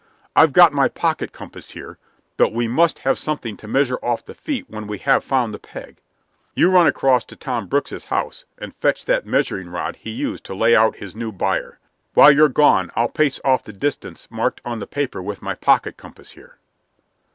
I've got my pocket compass here, but we must have something to measure off the feet when we have found the peg. You run across to Tom Brooke's house and fetch that measuring rod he used to lay out his new byre. While you're gone I'll pace off the distance marked on the paper with my pocket compass here."